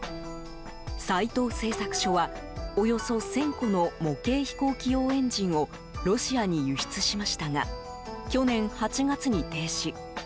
斎藤製作所はおよそ１０００個の模型飛行機用エンジンをロシアに輸出しましたが去年８月に停止。